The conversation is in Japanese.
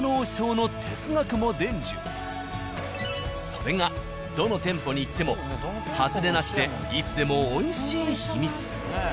それがどの店舗に行ってもハズレなしでいつでも美味しい秘密。